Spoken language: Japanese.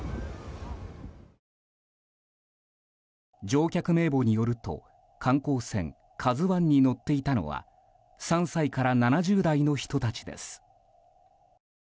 乗客名簿によると観光船「ＫＡＺＵ１」に乗っていたのは３歳から７０代の人たちです。